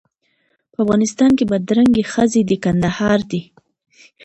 په افغانستان کې بدرنګې ښځې د کندهار دي.